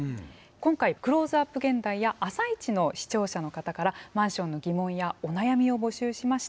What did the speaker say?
今回「クローズアップ現代」や「あさイチ」の視聴者の方からマンションの疑問やお悩みを募集しました。